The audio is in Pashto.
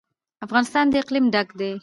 افغانستان له اقلیم ډک دی.